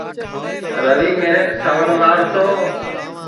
روی میریپ سوڑ راݪ تو